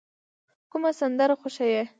کومه سندره خوښوئ؟